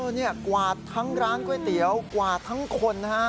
นี่กวาดทั้งร้านก๋วยเตี๋ยวกวาดทั้งคนนะฮะ